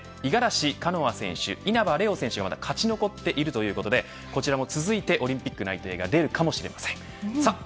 五十嵐カノア選手稲葉玲王選手が勝ち残っているということでこちらも続いてオリンピック内定が出るかもしれません。